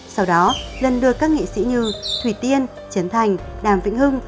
sau đó lần lượt các nghị sĩ như thủy tiên trấn thành đàm vĩnh hưng